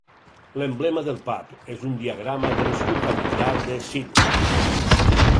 L'emblema del pub és un diagrama de l'escut familiar de Sydney.